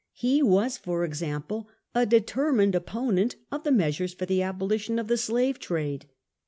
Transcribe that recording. He was, for example, a determined opponent of the measures for the abolition of the slave trade.